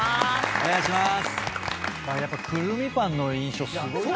お願いします。